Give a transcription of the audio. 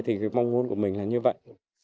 thì cái mong muốn của mình là như vậy